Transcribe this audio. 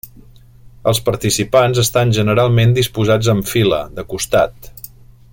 Els participants estan generalment disposats en fila, de costat.